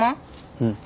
うん。